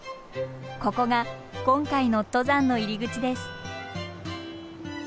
ここが今回の登山の入り口です。